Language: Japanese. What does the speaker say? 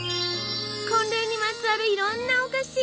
婚礼にまつわるいろんなお菓子！